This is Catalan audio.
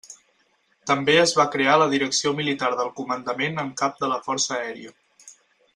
També es va crear la Direcció Militar del Comandament en Cap de la Força Aèria.